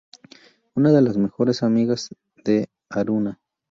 Una de las mejores amigas de Haruna.